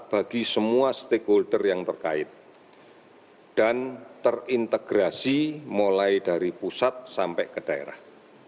bagi semua stakeholder yang terkait dan terintegrasi mulai dari pusat sampai ke daerah